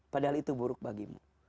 padahal itu buruk bagimu